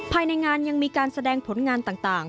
ภายในงานยังมีการแสดงผลงานต่าง